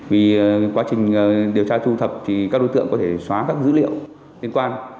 vì quá trình điều tra thu thập thì các đối tượng có thể xóa các dữ liệu liên quan